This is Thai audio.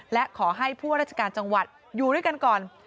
และขอให้ผู้ว่าราชการจังหวัดอยู่ด้วยกันก่อน